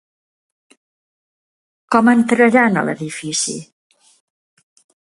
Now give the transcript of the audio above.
Com entraran a l'edifici?